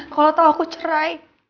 kalau tau aku cerai